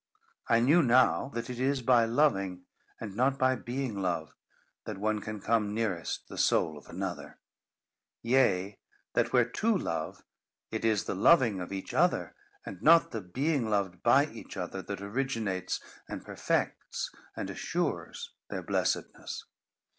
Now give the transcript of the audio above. I knew now, that it is by loving, and not by being loved, that one can come nearest the soul of another; yea, that, where two love, it is the loving of each other, and not the being loved by each other, that originates and perfects and assures their blessedness.